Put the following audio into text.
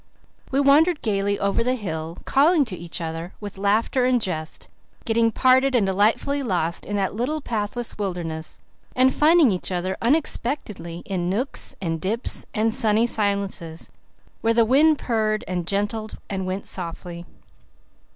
We wandered gaily over the hill, calling to each other with laughter and jest, getting parted and delightfully lost in that little pathless wilderness, and finding each other unexpectedly in nooks and dips and sunny silences, where the wind purred and gentled and went softly.